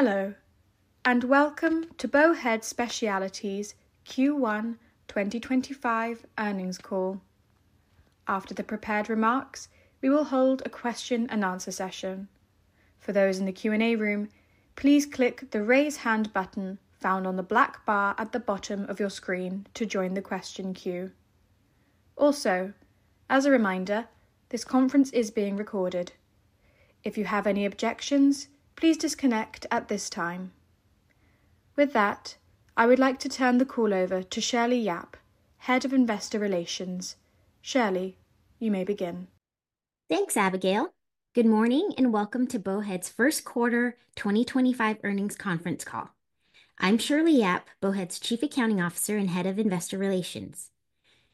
Hello, and welcome to Bowhead Specialty Holdings Q1 2025 earnings call. After the prepared remarks, we will hold a question-and-answer session. For those in the Q&A room, please click the raise hand button found on the black bar at the bottom of your screen to join the question queue. Also, as a reminder, this conference is being recorded. If you have any objections, please disconnect at this time. With that, I would like to turn the call over to Shirley Yap, Head of Investor Relations. Shirley, you may begin. Thanks, Abigail. Good morning and welcome to Bowhead's first quarter 2025 earnings conference call. I'm Shirley Yap, Bowhead's Chief Accounting Officer and Head of Investor Relations.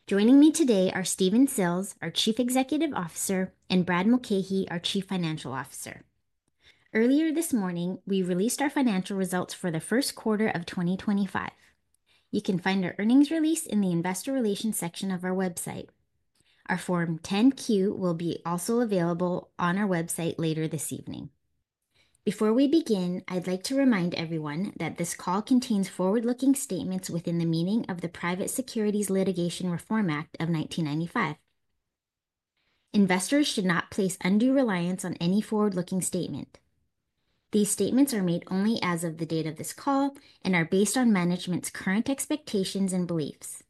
Joining me today are Stephen Sills, our Chief Executive Officer, and Brad Mulcahey, our Chief Financial Officer. Earlier this morning, we released our financial results for the first quarter of 2025. You can find our earnings release in the Investor Relations section of our website. Our Form 10-Q will be also available on our website later this evening. Before we begin, I'd like to remind everyone that this call contains forward-looking statements within the meaning of the Private Securities Litigation Reform Act of 1995. Investors should not place undue reliance on any forward-looking statement. These statements are made only as of the date of this call and are based on management's current expectations and beliefs.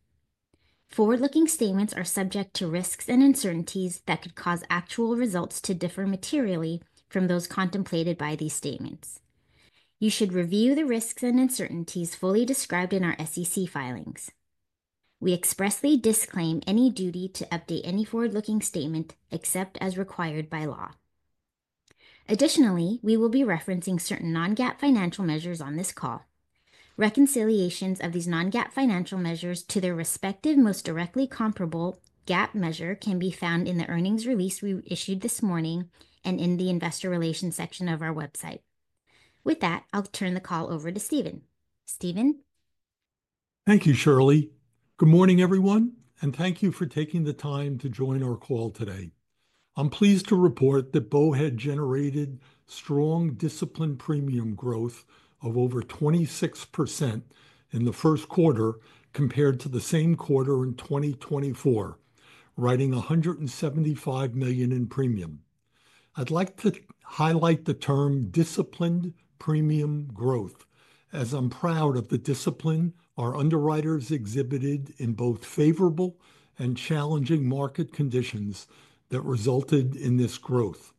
Forward-looking statements are subject to risks and uncertainties that could cause actual results to differ materially from those contemplated by these statements. You should review the risks and uncertainties fully described in our SEC filings. We expressly disclaim any duty to update any forward-looking statement except as required by law. Additionally, we will be referencing certain non-GAAP financial measures on this call. Reconciliations of these non-GAAP financial measures to their respective most directly comparable GAAP measure can be found in the earnings release we issued this morning and in the Investor Relations section of our website. With that, I'll turn the call over to Stephen. Stephen. Thank you, Shirley. Good morning, everyone, and thank you for taking the time to join our call today. I'm pleased to report that Bowhead generated strong disciplined premium growth of over 26% in the first quarter compared to the same quarter in 2024, writing $175 million in premium. I'd like to highlight the term disciplined premium growth, as I'm proud of the discipline our underwriters exhibited in both favorable and challenging market conditions that resulted in this growth.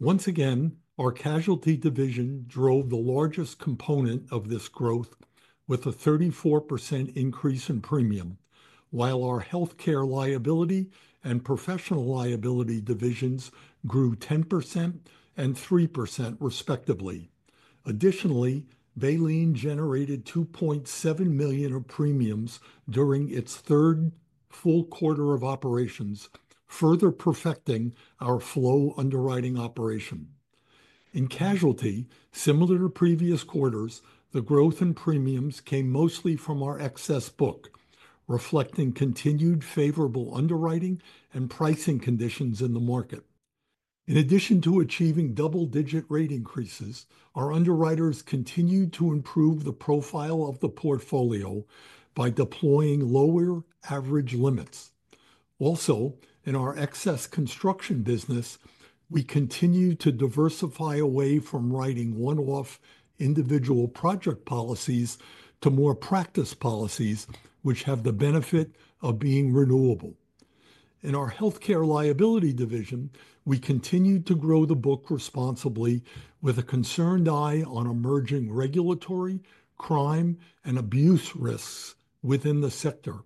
Once again, our casualty division drove the largest component of this growth, with a 34% increase in premium, while our healthcare liability and professional liability divisions grew 10% and 3% respectively. Additionally, Valeen generated $2.7 million of premiums during its third full quarter of operations, further perfecting our flow underwriting operation. In casualty, similar to previous quarters, the growth in premiums came mostly from our excess book, reflecting continued favorable underwriting and pricing conditions in the market. In addition to achieving double-digit rate increases, our underwriters continued to improve the profile of the portfolio by deploying lower average limits. Also, in our excess construction business, we continue to diversify away from writing one-off individual project policies to more practice policies, which have the benefit of being renewable. In our healthcare liability division, we continue to grow the book responsibly, with a concerned eye on emerging regulatory, crime, and abuse risks within the sector.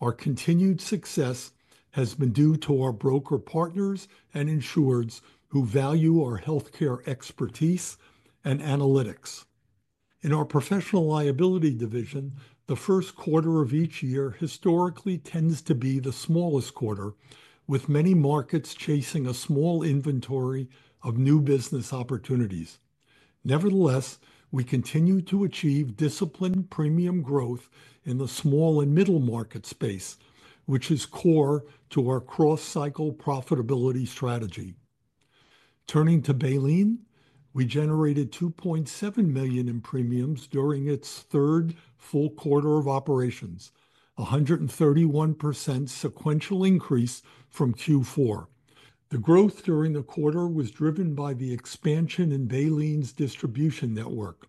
Our continued success has been due to our broker partners and insureds who value our healthcare expertise and analytics. In our professional liability division, the first quarter of each year historically tends to be the smallest quarter, with many markets chasing a small inventory of new business opportunities. Nevertheless, we continue to achieve disciplined premium growth in the small and middle market space, which is core to our cross-cycle profitability strategy. Turning to Valeen, we generated $2.7 million in premiums during its third full quarter of operations, a 131% sequential increase from Q4. The growth during the quarter was driven by the expansion in Valeen's distribution network.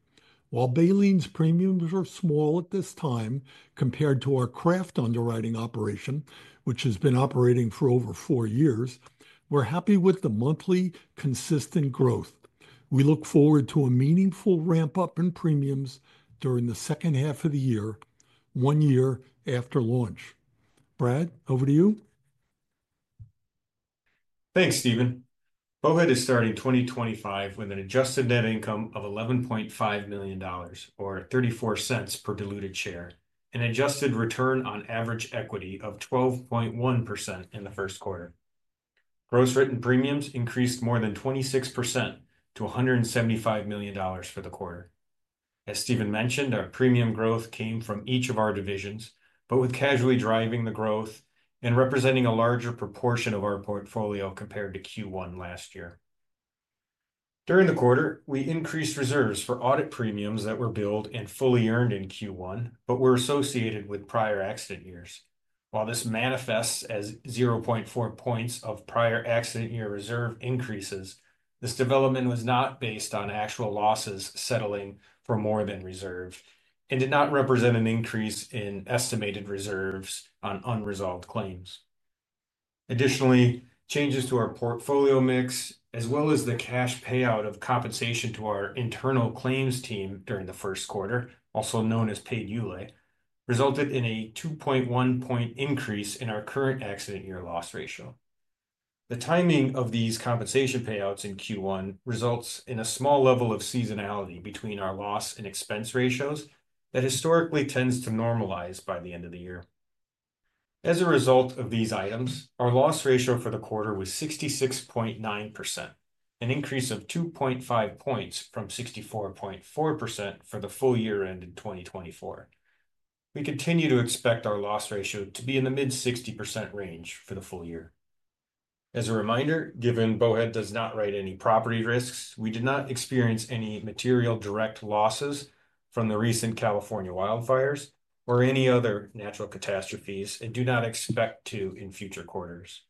While Valeen's premiums are small at this time compared to our craft underwriting operation, which has been operating for over four years, we're happy with the monthly consistent growth. We look forward to a meaningful ramp-up in premiums during the second half of the year, one year after launch. Brad, over to you. Thanks, Stephen. Bowhead is starting 2025 with an adjusted net income of $11.5 million, or $0.34 per diluted share, and an adjusted return on average equity of 12.1% in the first quarter. Gross written premiums increased more than 26% to $175 million for the quarter. As Stephen mentioned, our premium growth came from each of our divisions, but with casualty driving the growth and representing a larger proportion of our portfolio compared to Q1 last year. During the quarter, we increased reserves for audit premiums that were billed and fully earned in Q1, but were associated with prior accident years. While this manifests as 0.4 percentage points of prior accident year reserve increases, this development was not based on actual losses settling for more than reserved and did not represent an increase in estimated reserves on unresolved claims. Additionally, changes to our portfolio mix, as well as the cash payout of compensation to our internal claims team during the first quarter, also known as paid ULAE, resulted in a 2.1-point increase in our current accident year loss ratio. The timing of these compensation payouts in Q1 results in a small level of seasonality between our loss and expense ratios that historically tends to normalize by the end of the year. As a result of these items, our loss ratio for the quarter was 66.9%, an increase of 2.5 points from 64.4% for the full year ended 2024. We continue to expect our loss ratio to be in the mid-60% range for the full year. As a reminder, given Bowhead does not write any property risks, we did not experience any material direct losses from the recent California wildfires or any other natural catastrophes and do not expect to in future quarters.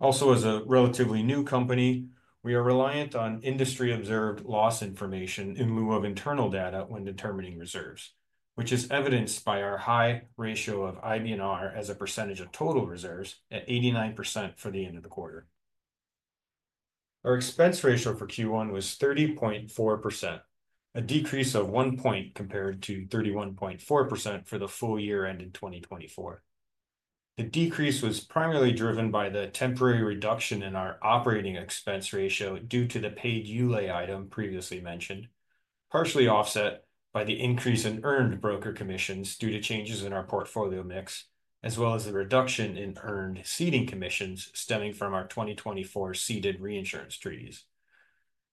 Also, as a relatively new company, we are reliant on industry-observed loss information in lieu of internal data when determining reserves, which is evidenced by our high ratio of IBNR as a percentage of total reserves at 89% for the end of the quarter. Our expense ratio for Q1 was 30.4%, a decrease of one point compared to 31.4% for the full year ended 2024. The decrease was primarily driven by the temporary reduction in our operating expense ratio due to the paid ULAE item previously mentioned, partially offset by the increase in earned broker commissions due to changes in our portfolio mix, as well as the reduction in earned seeding commissions stemming from our 2024 seeding reinsurance treaties.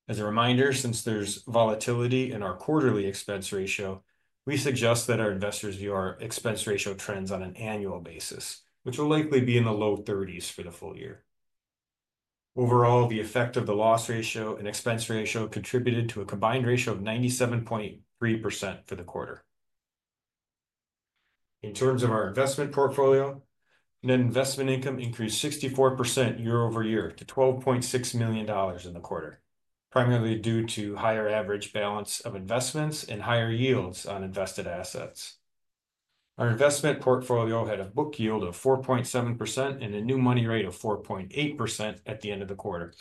As a reminder, since there's volatility in our quarterly expense ratio, we suggest that our investors view our expense ratio trends on an annual basis, which will likely be in the low 30s for the full year. Overall, the effect of the loss ratio and expense ratio contributed to a combined ratio of 97.3% for the quarter. In terms of our investment portfolio, net investment income increased 64% year-over-year to $12.6 million in the quarter, primarily due to higher average balance of investments and higher yields on invested assets. Our investment portfolio had a book yield of 4.7% and a new money rate of 4.8% at the end of the quarter.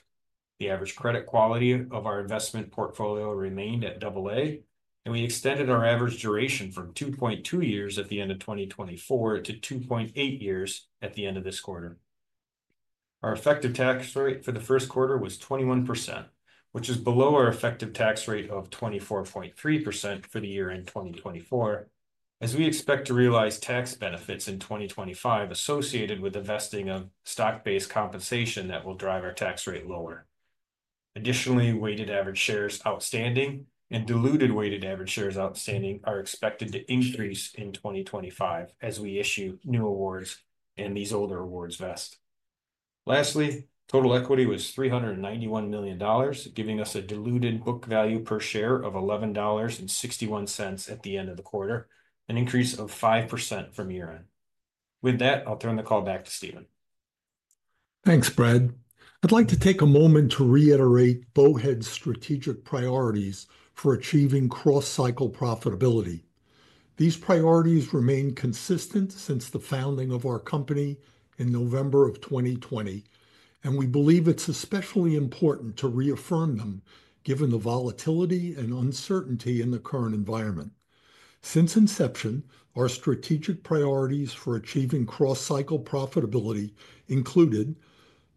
The average credit quality of our investment portfolio remained at AA, and we extended our average duration from 2.2 years at the end of 2024 to 2.8 years at the end of this quarter. Our effective tax rate for the first quarter was 21%, which is below our effective tax rate of 24.3% for the year in 2024, as we expect to realize tax benefits in 2025 associated with investing of stock-based compensation that will drive our tax rate lower. Additionally, weighted average shares outstanding and diluted weighted average shares outstanding are expected to increase in 2025 as we issue new awards and these older awards vest. Lastly, total equity was $391 million, giving us a diluted book value per share of $11.61 at the end of the quarter, an increase of 5% from year-end. With that, I'll turn the call back to Stephen. Thanks, Brad. I'd like to take a moment to reiterate Bowhead's strategic priorities for achieving cross-cycle profitability. These priorities remain consistent since the founding of our company in November of 2020, and we believe it's especially important to reaffirm them given the volatility and uncertainty in the current environment. Since inception, our strategic priorities for achieving cross-cycle profitability included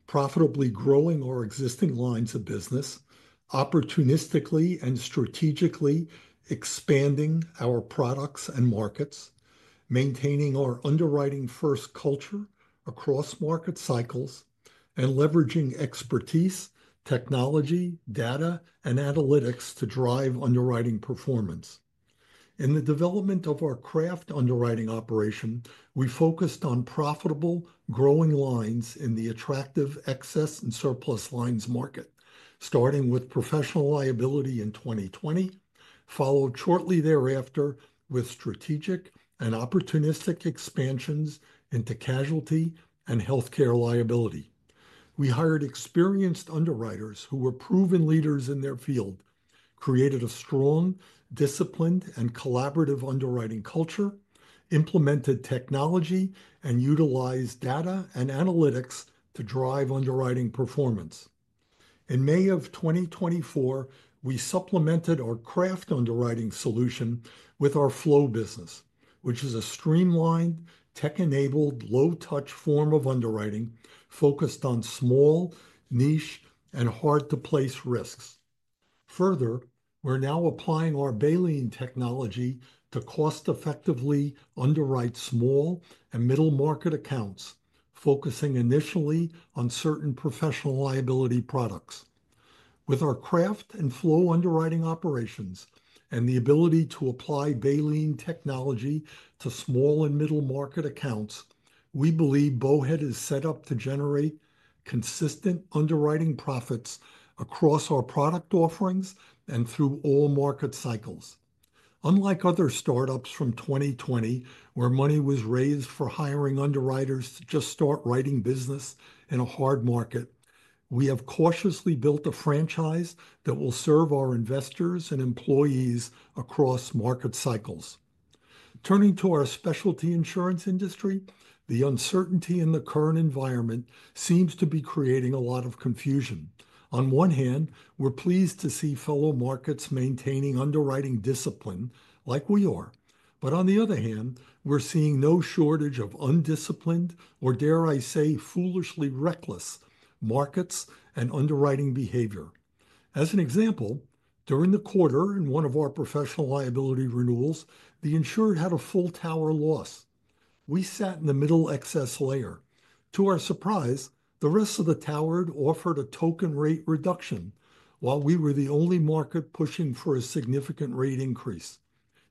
profitably growing our existing lines of business, opportunistically and strategically expanding our products and markets, maintaining our underwriting-first culture across market cycles, and leveraging expertise, technology, data, and analytics to drive underwriting performance. In the development of our craft underwriting operation, we focused on profitable, growing lines in the attractive excess and surplus lines market, starting with professional liability in 2020, followed shortly thereafter with strategic and opportunistic expansions into casualty and healthcare liability. We hired experienced underwriters who were proven leaders in their field, created a strong, disciplined, and collaborative underwriting culture, implemented technology, and utilized data and analytics to drive underwriting performance. In May of 2024, we supplemented our craft underwriting solution with our flow business, which is a streamlined, tech-enabled, low-touch form of underwriting focused on small, niche, and hard-to-place risks. Further, we're now applying our Valeen technology to cost-effectively underwrite small and middle market accounts, focusing initially on certain professional liability products. With our craft and flow underwriting operations and the ability to apply Valeen technology to small and middle market accounts, we believe Bowhead is set up to generate consistent underwriting profits across our product offerings and through all market cycles. Unlike other startups from 2020, where money was raised for hiring underwriters to just start writing business in a hard market, we have cautiously built a franchise that will serve our investors and employees across market cycles. Turning to our specialty insurance industry, the uncertainty in the current environment seems to be creating a lot of confusion. On one hand, we're pleased to see fellow markets maintaining underwriting discipline like we are, but on the other hand, we're seeing no shortage of undisciplined or, dare I say, foolishly reckless markets and underwriting behavior. As an example, during the quarter in one of our professional liability renewals, the insured had a full tower loss. We sat in the middle excess layer. To our surprise, the rest of the tower offered a token rate reduction, while we were the only market pushing for a significant rate increase.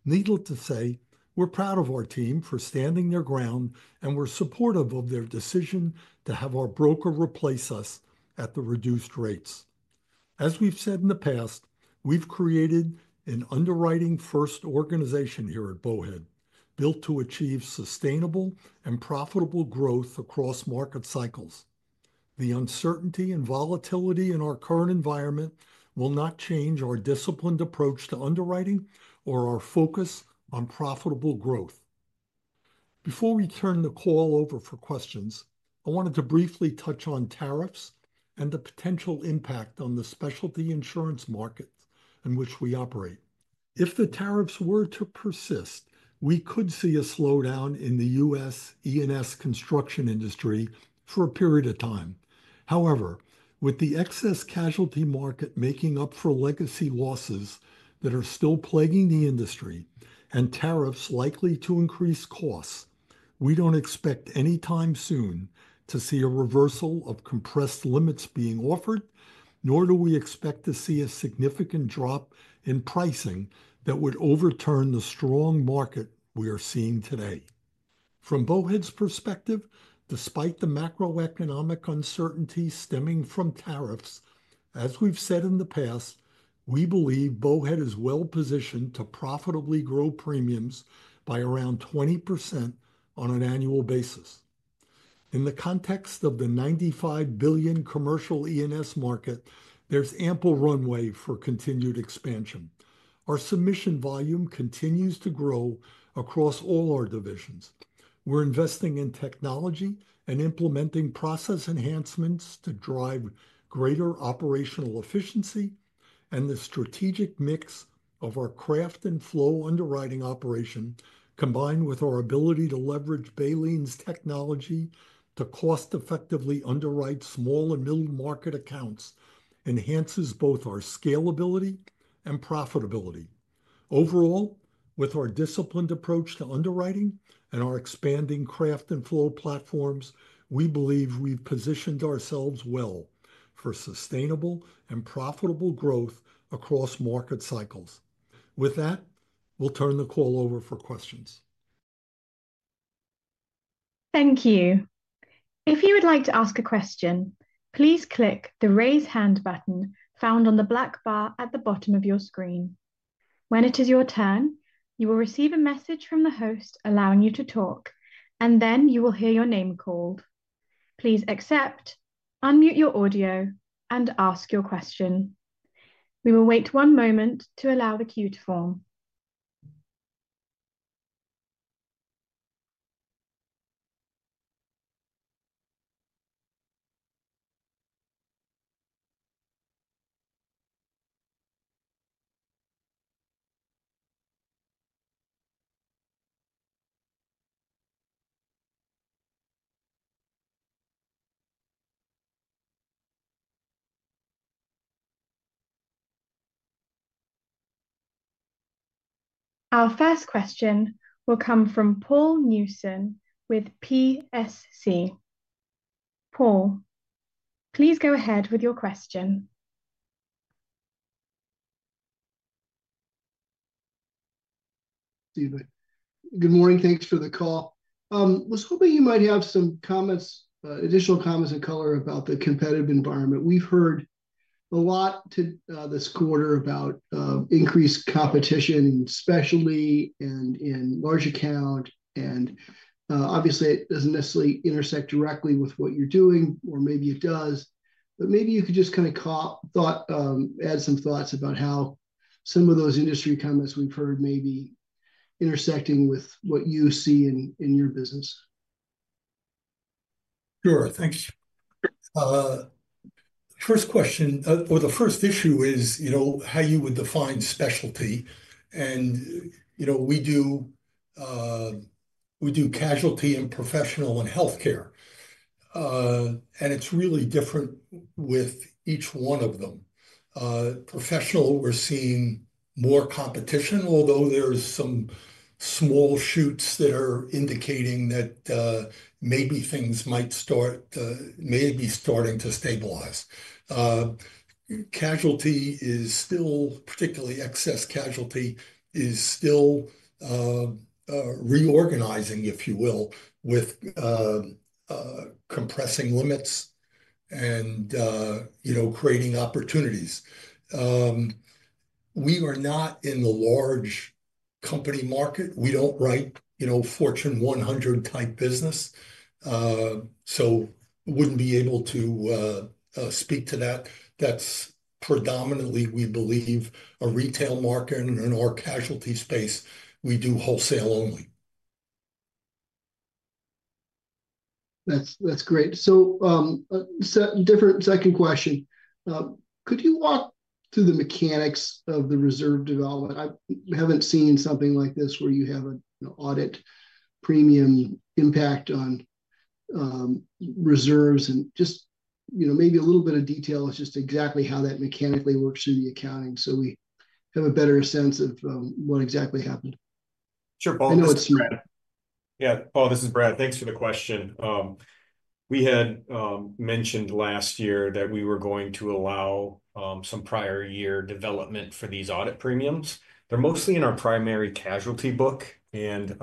Needless to say, we're proud of our team for standing their ground, and we're supportive of their decision to have our broker replace us at the reduced rates. As we've said in the past, we've created an underwriting-first organization here at Bowhead, built to achieve sustainable and profitable growth across market cycles. The uncertainty and volatility in our current environment will not change our disciplined approach to underwriting or our focus on profitable growth. Before we turn the call over for questions, I wanted to briefly touch on tariffs and the potential impact on the specialty insurance market in which we operate. If the tariffs were to persist, we could see a slowdown in the U.S. E&S construction industry for a period of time. However, with the excess casualty market making up for legacy losses that are still plaguing the industry and tariffs likely to increase costs, we don't expect anytime soon to see a reversal of compressed limits being offered, nor do we expect to see a significant drop in pricing that would overturn the strong market we are seeing today. From Bowhead's perspective, despite the Macroeconomic uncertainty stemming from tariffs, as we've said in the past, we believe Bowhead is well-positioned to profitably grow premiums by around 20% on an annual basis. In the context of the $95 billion commercial E&S market, there's ample runway for continued expansion. Our submission volume continues to grow across all our divisions. We're investing in technology and implementing process enhancements to drive greater operational efficiency, and the strategic mix of our craft and flow underwriting operation, combined with our ability to leverage Valeen's technology to cost-effectively underwrite small and middle market accounts, enhances both our scalability and profitability. Overall, with our disciplined approach to underwriting and our expanding craft and flow platforms, we believe we've positioned ourselves well for sustainable and profitable growth across market cycles. With that, we'll turn the call over for questions. Thank you. If you would like to ask a question, please click the raise hand button found on the black bar at the bottom of your screen. When it is your turn, you will receive a message from the host allowing you to talk, and then you will hear your name called. Please accept, unmute your audio, and ask your question. We will wait one moment to allow the queue to form. Our first question will come from Paul Newsome with Piper Sandler. Paul, please go ahead with your question. Stephen, good morning. Thanks for the call. I was hoping you might have some additional comments and color about the competitive environment. We've heard a lot this quarter about increased competition, especially in large account, and obviously, it doesn't necessarily intersect directly with what you're doing, or maybe it does, but maybe you could just kind of add some thoughts about how some of those industry comments we've heard may be intersecting with what you see in your business. Sure. Thanks. First question, or the first issue is how you would define specialty. And we do casualty and professional and healthcare, and it's really different with each one of them. Professional, we're seeing more competition, although there's some small shoots that are indicating that maybe things might start to stabilize. Casualty is still, particularly excess casualty, is still reorganizing, if you will, with compressing limits and creating opportunities. We are not in the large company market. We don't write Fortune 100 type business, so we wouldn't be able to speak to that. That's predominantly, we believe, a retail market, and in our casualty space, we do wholesale only. That's great. Different second question. Could you walk through the mechanics of the reserve development? I haven't seen something like this where you have an audit premium impact on reserves and just maybe a little bit of detail is just exactly how that mechanically works through the accounting so we have a better sense of what exactly happened. Sure. Paul, this is Brad. Yeah. Paul, this is Brad. Thanks for the question. We had mentioned last year that we were going to allow some prior year development for these audit premiums. They're mostly in our primary casualty book, and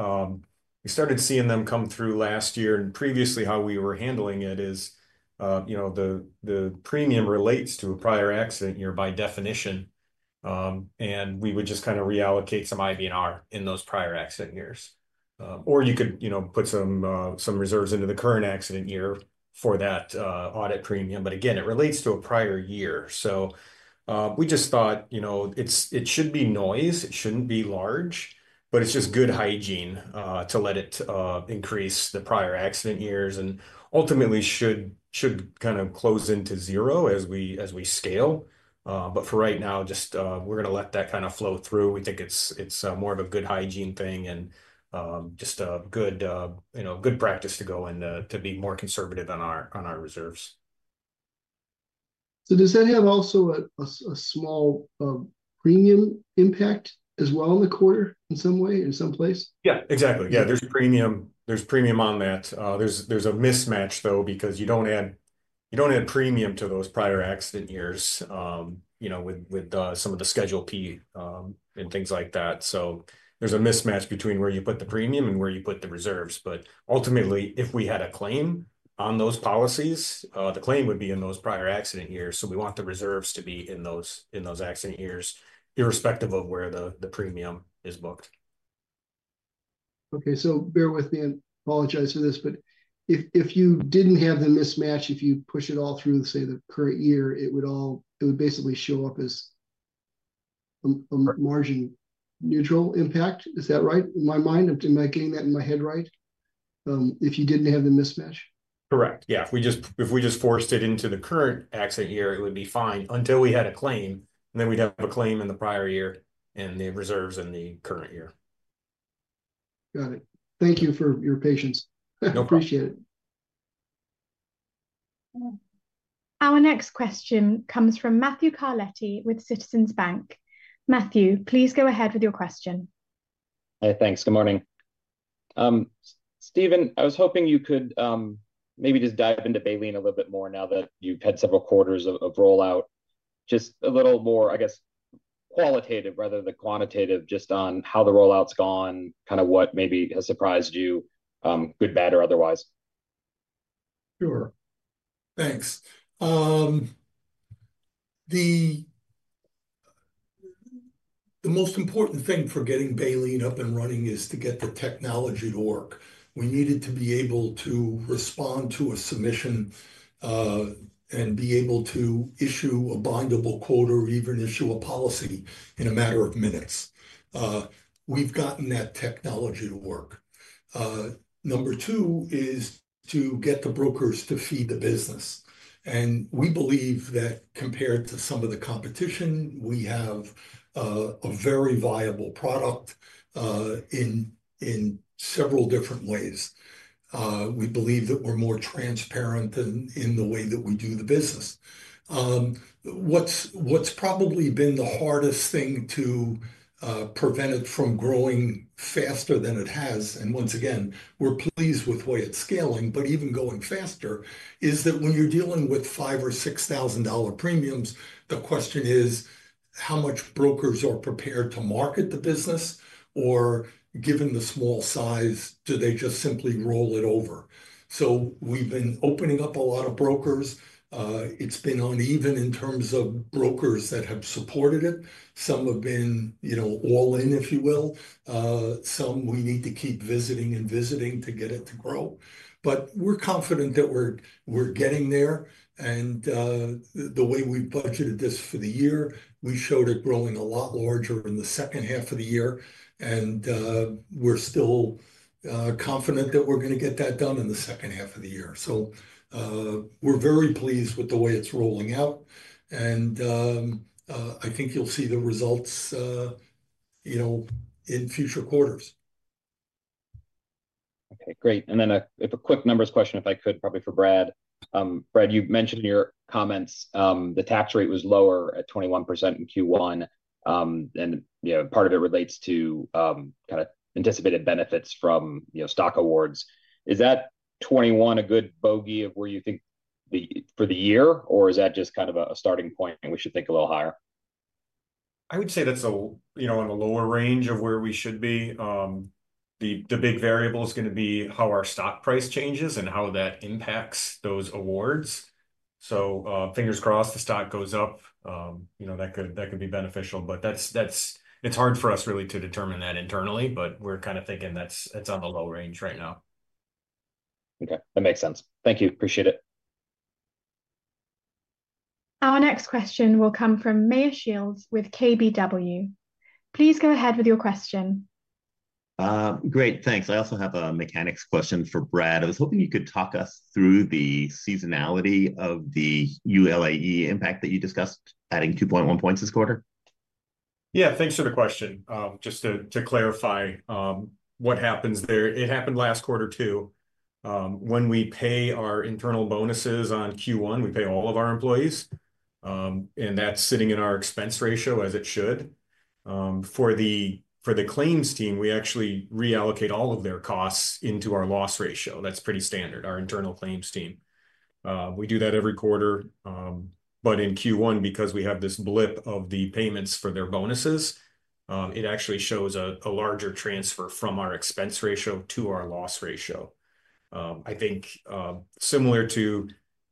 we started seeing them come through last year. Previously, how we were handling it is the premium relates to a prior accident year by definition, and we would just kind of reallocate some IBNR in those prior accident years. Or you could put some reserves into the current accident year for that audit premium. Again, it relates to a prior year. We just thought it should be noise. It shouldn't be large, but it's just good hygiene to let it increase the prior accident years and ultimately should kind of close into zero as we scale. For right now, we're just going to let that kind of flow through. We think it's more of a good hygiene thing and just a good practice to go and to be more conservative on our reserves. Does that have also a small premium impact as well in the quarter in some way, in some place? Yeah, exactly. Yeah, there's premium on that. There's a mismatch, though, because you do not add premium to those prior accident years with some of the Schedule P and things like that. There is a mismatch between where you put the premium and where you put the reserves. Ultimately, if we had a claim on those policies, the claim would be in those prior accident years. We want the reserves to be in those accident years irrespective of where the premium is booked. Okay. So bear with me and apologize for this, but if you didn't have the mismatch, if you push it all through, say, the current year, it would basically show up as a margin neutral impact. Is that right in my mind? Am I getting that in my head right? If you didn't have the mismatch? Correct. Yeah. If we just forced it into the current accident year, it would be fine until we had a claim, and then we'd have a claim in the prior year and the reserves in the current year. Got it. Thank you for your patience. No problem. Appreciate it. Our next question comes from Matthew Carletti with Citizens Bank. Matthew, please go ahead with your question. Hi. Thanks. Good morning. Stephen, I was hoping you could maybe just dive into Valeen a little bit more now that you've had several quarters of rollout. Just a little more, I guess, qualitative, rather than quantitative, just on how the rollout's gone, kind of what maybe has surprised you, good, bad, or otherwise. Sure. Thanks. The most important thing for getting Valeen up and running is to get the technology to work. We needed to be able to respond to a submission and be able to issue a bindable quote or even issue a policy in a matter of minutes. We've gotten that technology to work. Number two is to get the brokers to feed the business. We believe that compared to some of the competition, we have a very viable product in several different ways. We believe that we're more transparent in the way that we do the business. What's probably been the hardest thing to prevent it from growing faster than it has, and once again, we're pleased with the way it's scaling, but even going faster, is that when you're dealing with $5,000 or $6,000 premiums, the question is how much brokers are prepared to market the business, or given the small size, do they just simply roll it over? We've been opening up a lot of brokers. It's been uneven in terms of brokers that have supported it. Some have been all in, if you will. Some we need to keep visiting and visiting to get it to grow. We're confident that we're getting there. The way we budgeted this for the year, we showed it growing a lot larger in the second half of the year. We're still confident that we're going to get that done in the second half of the year. We're very pleased with the way it's rolling out. I think you'll see the results in future quarters. Okay. Great. And then a quick numbers question, if I could, probably for Brad. Brad, you mentioned in your comments the tax rate was lower at 21% in Q1, and part of it relates to kind of anticipated benefits from stock awards. Is that 21% a good bogey of where you think for the year, or is that just kind of a starting point we should think a little higher? I would say that's on a lower range of where we should be. The big variable is going to be how our stock price changes and how that impacts those awards. Fingers crossed the stock goes up. That could be beneficial. It is hard for us really to determine that internally, but we're kind of thinking it's on the low range right now. Okay. That makes sense. Thank you. Appreciate it. Our next question will come from Meyer Shields with K.B.W. Please go ahead with your question. Great. Thanks. I also have a mechanics question for Brad. I was hoping you could talk us through the seasonality of the ULAE impact that you discussed, adding 2.1 points this quarter. Yeah. Thanks for the question. Just to clarify what happens there, it happened last quarter too. When we pay our internal bonuses on Q1, we pay all of our employees, and that's sitting in our expense ratio as it should. For the claims team, we actually reallocate all of their costs into our loss ratio. That's pretty standard, our internal claims team. We do that every quarter. In Q1, because we have this blip of the payments for their bonuses, it actually shows a larger transfer from our expense ratio to our loss ratio. I think similar to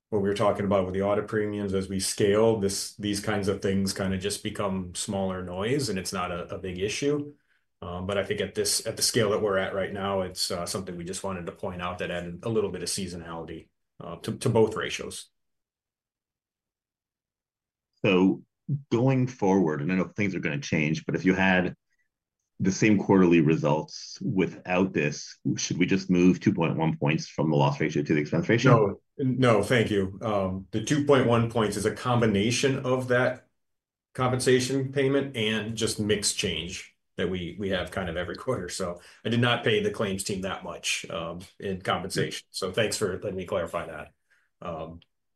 what we were talking about with the audit premiums, as we scale, these kinds of things kind of just become smaller noise, and it's not a big issue. I think at the scale that we're at right now, it's something we just wanted to point out that added a little bit of seasonality to both ratios. Going forward, and I know things are going to change, but if you had the same quarterly results without this, should we just move 2.1 points from the loss ratio to the expense ratio? No. No. Thank you. The 2.1 points is a combination of that compensation payment and just mix change that we have kind of every quarter. I did not pay the claims team that much in compensation. Thanks for letting me clarify that.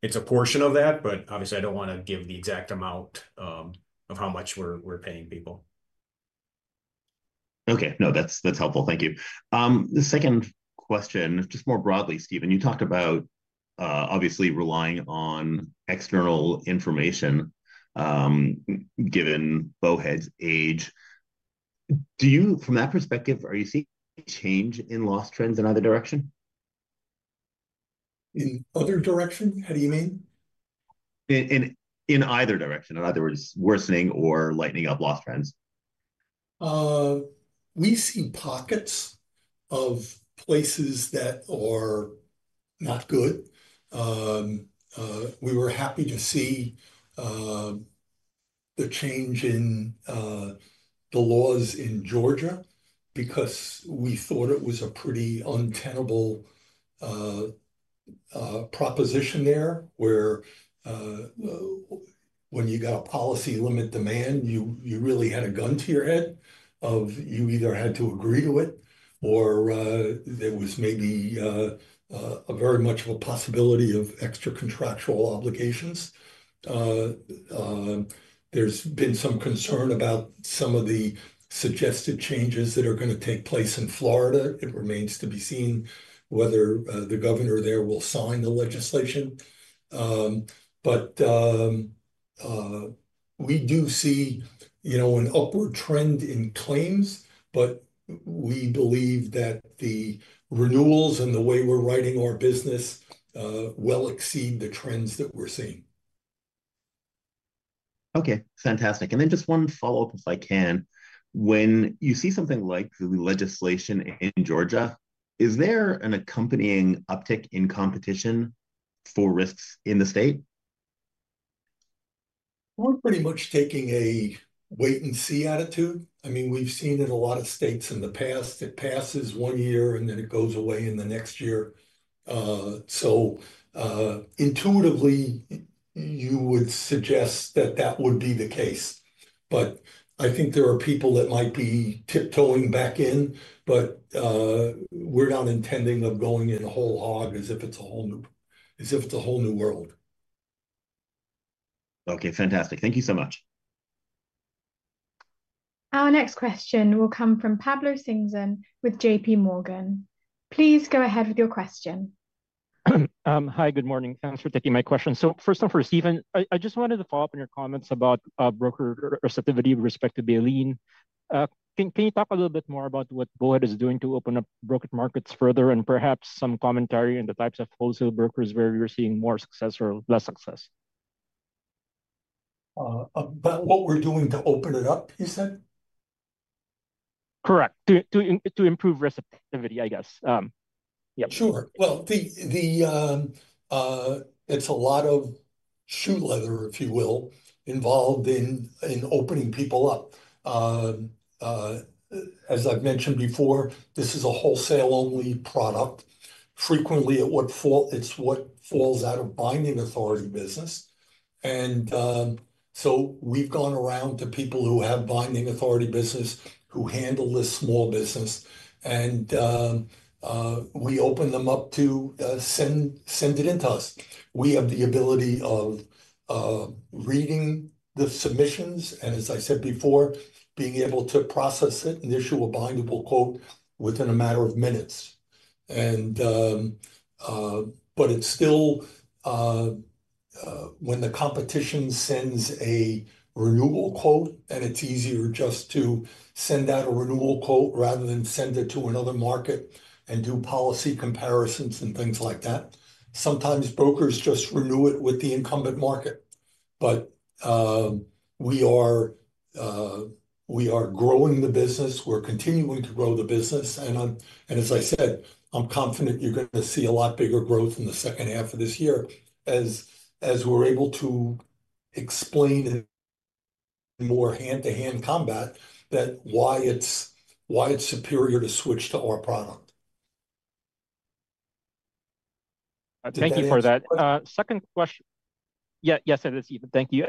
It is a portion of that, but obviously, I do not want to give the exact amount of how much we are paying people. Okay. No, that's helpful. Thank you. The second question, just more broadly, Stephen, you talked about obviously relying on external information given Bowhead's age. From that perspective, are you seeing a change in loss trends in either direction? In other direction? How do you mean? In either direction. In other words, worsening or lightening up loss trends. We see pockets of places that are not good. We were happy to see the change in the laws in Georgia because we thought it was a pretty untenable proposition there where when you got a policy limit demand, you really had a gun to your head of you either had to agree to it or there was maybe very much of a possibility of extra contractual obligations. There has been some concern about some of the suggested changes that are going to take place in Florida. It remains to be seen whether the governor there will sign the legislation. We do see an upward trend in claims, but we believe that the renewals and the way we're writing our business well exceed the trends that we're seeing. Okay. Fantastic. Just one follow-up, if I can. When you see something like the legislation in Georgia, is there an accompanying uptick in competition for risks in the state? We're pretty much taking a wait-and-see attitude. I mean, we've seen in a lot of states in the past, it passes one year and then it goes away in the next year. Intuitively, you would suggest that that would be the case. I think there are people that might be tiptoeing back in, but we're not intending of going in whole hog as if it's a whole new world. Okay. Fantastic. Thank you so much. Our next question will come from Pablo Singzon with JPMorgan. Please go ahead with your question. Hi. Good morning. Thanks for taking my question. First off, for Stephen, I just wanted to follow up on your comments about broker receptivity with respect to Valeen. Can you talk a little bit more about what Bowhead is doing to open up brokerage markets further and perhaps some commentary on the types of wholesale brokers where you're seeing more success or less success? About what we're doing to open it up, you said? Correct. To improve receptivity, I guess. Yep. Sure. It is a lot of shoe leather, if you will, involved in opening people up. As I have mentioned before, this is a wholesale-only product. Frequently, it is what falls out of binding authority business. We have gone around to people who have binding authority business who handle this small business, and we open them up to send it into us. We have the ability of reading the submissions and, as I said before, being able to process it and issue a bindable quote within a matter of minutes. It is still when the competition sends a renewal quote, and it is easier just to send out a renewal quote rather than send it to another market and do policy comparisons and things like that. Sometimes brokers just renew it with the incumbent market. We are growing the business. We are continuing to grow the business. As I said, I'm confident you're going to see a lot bigger growth in the second half of this year as we're able to explain in more hand-to-hand combat why it's superior to switch to our product. Thank you for that. Second question. Yes, I did, Stephen. Thank you.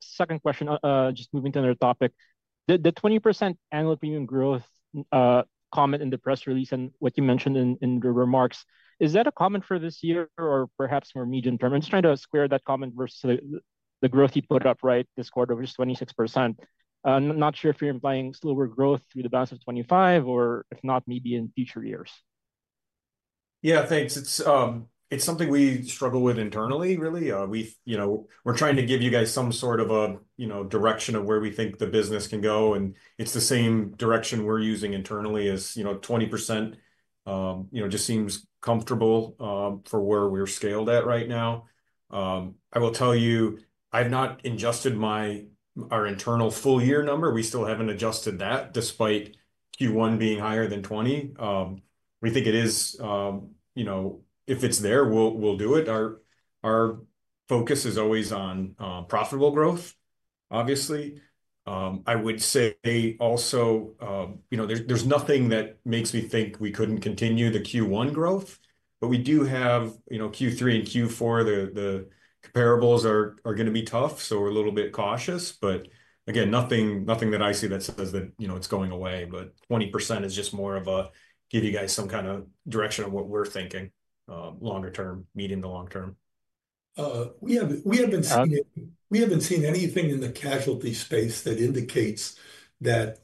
Second question, just moving to another topic. The 20% annual premium growth comment in the press release and what you mentioned in the remarks, is that a comment for this year or perhaps more medium term? I'm just trying to square that comment versus the growth you put up right this quarter, which is 26%. Not sure if you're implying slower growth through the balance of 2025 or if not, maybe in future years. Yeah. Thanks. It's something we struggle with internally, really. We're trying to give you guys some sort of a direction of where we think the business can go. It's the same direction we're using internally as 20% just seems comfortable for where we're scaled at right now. I will tell you, I've not adjusted our internal full year number. We still haven't adjusted that despite Q1 being higher than 20%. We think it is if it's there, we'll do it. Our focus is always on profitable growth, obviously. I would say also there's nothing that makes me think we couldn't continue the Q1 growth. We do have Q3 and Q4. The comparables are going to be tough, so we're a little bit cautious. Again, nothing that I see that says that it's going away. 20% is just more of a give you guys some kind of direction of what we're thinking longer term, medium to long term. We haven't seen anything in the casualty space that indicates that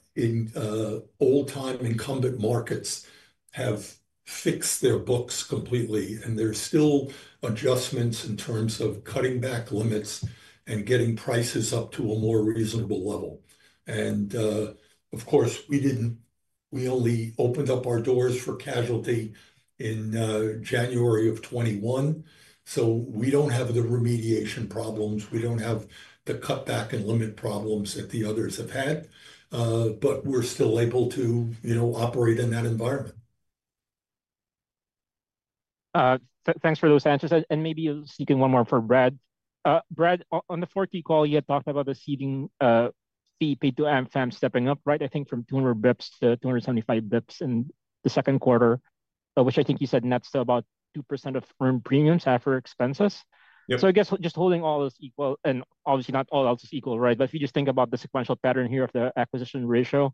old-time incumbent markets have fixed their books completely, and there's still adjustments in terms of cutting back limits and getting prices up to a more reasonable level. Of course, we only opened up our doors for casualty in January of 2021. We don't have the remediation problems. We don't have the cutback and limit problems that the others have had. We're still able to operate in that environment. Thanks for those answers. Maybe you'll see one more for Brad. Brad, on the fourth call, you had talked about the seeding fee paid to American Family Insurance stepping up, right? I think from 200 basis points to 275 basis points in the second quarter, which I think you said nets to about 2% of firm premiums after expenses. I guess just holding all those equal, and obviously not all else is equal, right? If you just think about the sequential pattern here of the acquisition ratio,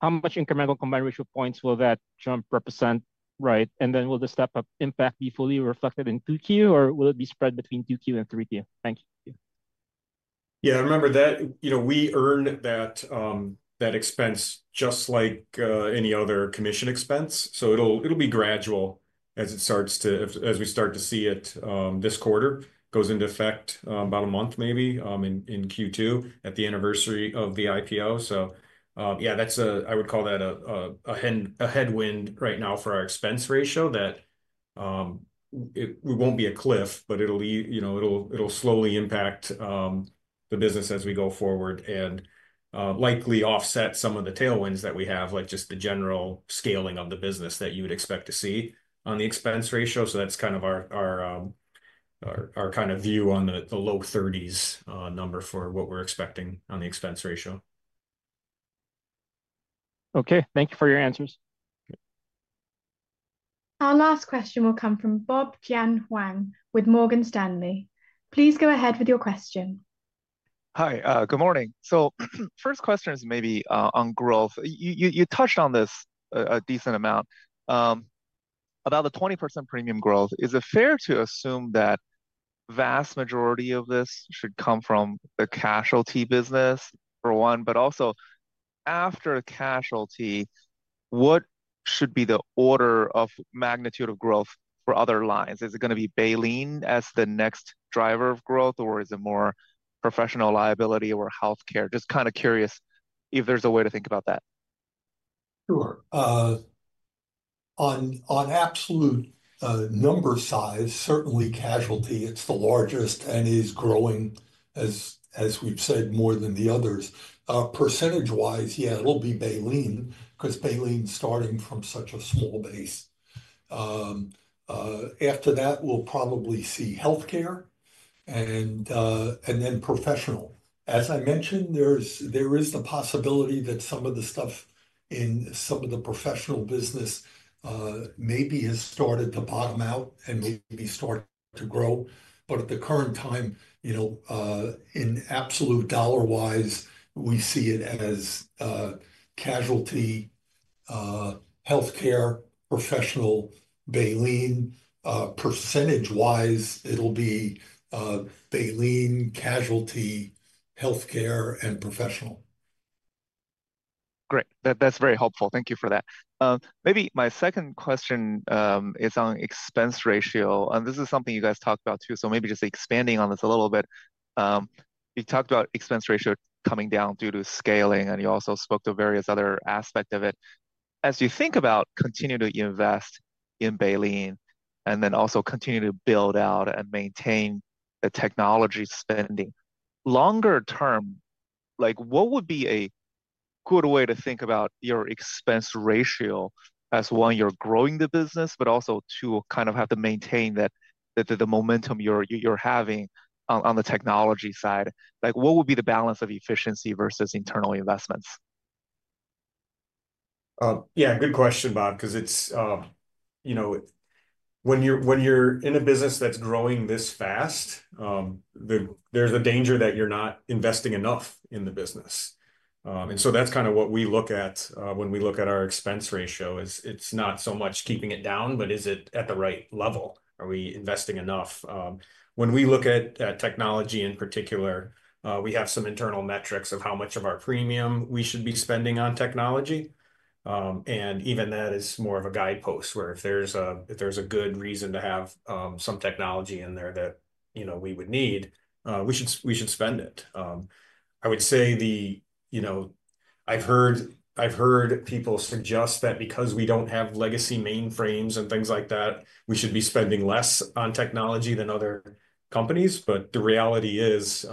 how much incremental combined ratio points will that jump represent, right? Will the step-up impact be fully reflected in 2Q, or will it be spread between 2Q and 3Q? Thank you. Yeah. Remember that we earn that expense just like any other commission expense. It'll be gradual as we start to see it this quarter. It goes into effect about a month, maybe in Q2, at the anniversary of the IPO. Yeah, I would call that a headwind right now for our expense ratio. It won't be a cliff, but it'll slowly impact the business as we go forward and likely offset some of the tailwinds that we have, like just the general scaling of the business that you would expect to see on the expense ratio. That's kind of our view on the low 30s number for what we're expecting on the expense ratio. Okay. Thank you for your answers. Our last question will come from Bob Jian Huang with Morgan Stanley. Please go ahead with your question. Hi. Good morning. First question is maybe on growth. You touched on this a decent amount. About the 20% premium growth, is it fair to assume that the vast majority of this should come from the casualty business for one, but also after casualty, what should be the order of magnitude of growth for other lines? Is it going to be Baleen as the next driver of growth, or is it more professional liability or healthcare? Just kind of curious if there's a way to think about that. Sure. On absolute number size, certainly casualty, it's the largest and is growing, as we've said, more than the others. Percentage-wise, yeah, it'll be Baleen because Baleen's starting from such a small base. After that, we'll probably see healthcare and then professional. As I mentioned, there is the possibility that some of the stuff in some of the professional business maybe has started to bottom out and maybe start to grow. But at the current time, in absolute dollar-wise, we see it as casualty, healthcare, professional, Baleen. Percentage-wise, it'll be Baleen, casualty, healthcare, and professional. Great. That's very helpful. Thank you for that. Maybe my second question is on expense ratio. This is something you guys talked about too. Maybe just expanding on this a little bit. You talked about expense ratio coming down due to scaling, and you also spoke to various other aspects of it. As you think about continuing to invest in Baleen and then also continue to build out and maintain the technology spending, longer term, what would be a good way to think about your expense ratio as one, you're growing the business, but also to kind of have to maintain the momentum you're having on the technology side? What would be the balance of efficiency versus internal investments? Yeah. Good question, Bob, because when you're in a business that's growing this fast, there's a danger that you're not investing enough in the business. That's kind of what we look at when we look at our expense ratio, is it's not so much keeping it down, but is it at the right level? Are we investing enough? When we look at technology in particular, we have some internal metrics of how much of our premium we should be spending on technology. Even that is more of a guidepost where if there's a good reason to have some technology in there that we would need, we should spend it. I would say I've heard people suggest that because we don't have legacy mainframes and things like that, we should be spending less on technology than other companies. The reality is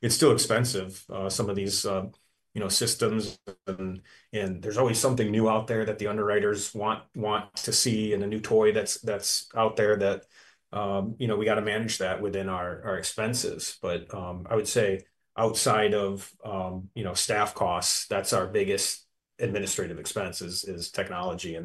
it's still expensive, some of these systems. There's always something new out there that the underwriters want to see and a new toy that's out there that we got to manage that within our expenses. I would say outside of staff costs, that's our biggest administrative expense is technology.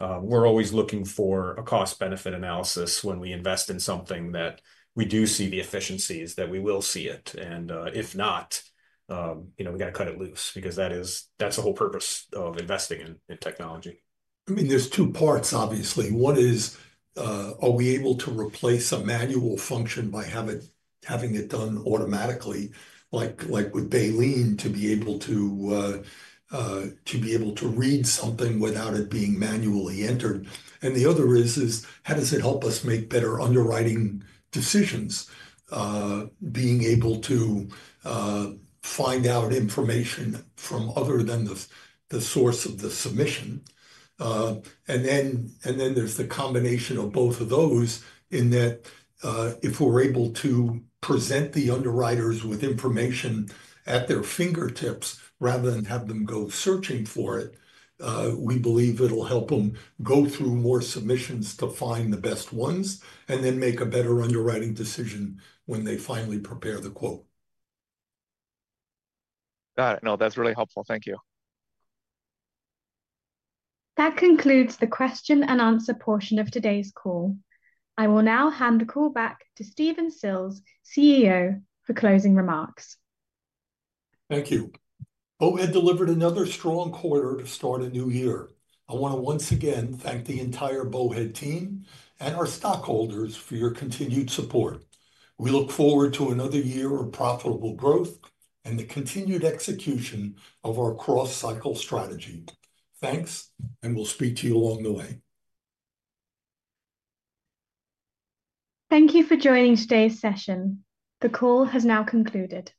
We're always looking for a cost-benefit analysis when we invest in something that we do see the efficiencies, that we will see it. If not, we got to cut it loose because that's the whole purpose of investing in technology. I mean, there's two parts, obviously. One is, are we able to replace a manual function by having it done automatically, like with Baleen, to be able to read something without it being manually entered? The other is, how does it help us make better underwriting decisions, being able to find out information from other than the source of the submission? Then there's the combination of both of those in that if we're able to present the underwriters with information at their fingertips rather than have them go searching for it, we believe it'll help them go through more submissions to find the best ones and then make a better underwriting decision when they finally prepare the quote. Got it. No, that's really helpful. Thank you. That concludes the question and answer portion of today's call. I will now hand the call back to Stephen Sills, CEO, for closing remarks. Thank you. Bowhead delivered another strong quarter to start a new year. I want to once again thank the entire Bowhead team and our stockholders for your continued support. We look forward to another year of profitable growth and the continued execution of our cross-cycle strategy. Thanks, and we'll speak to you along the way. Thank you for joining today's session. The call has now concluded.